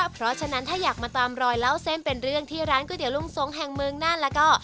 เพราะฉะนั้นถ้าอยากมาตามรอยเล่าเส้นเป็นเรื่องที่ร้านก๋วเตี๋ลุงสงแห่งเมืองน่านแล้วก็